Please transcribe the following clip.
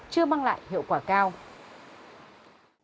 chưa mang lại hiệu quả cao